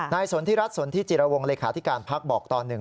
นายสนที่รัฐสนที่จิรวงศ์ราชาธิการภักดิ์บอกตอนหนึ่ง